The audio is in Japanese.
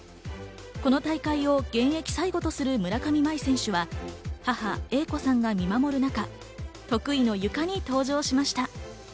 この大会を現役最後とする村上茉愛選手は母・英子さんが見守る中、得意のゆかに登場しました。